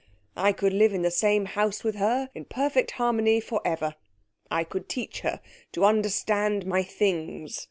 I could live in the same house with her in perfect harmony for ever. I could teach her to understand my Things.